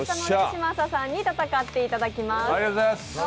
嶋佐さんに戦っていただきます。